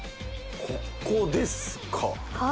ここですか。